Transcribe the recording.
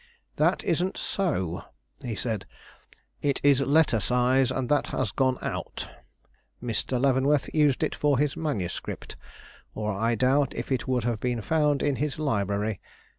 "That isn't so," he said. "It is letter size, and that has gone out. Mr. Leavenworth used it for his manuscript, or I doubt if it would have been found in his library.